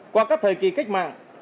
qua các thời kỳ cách mạng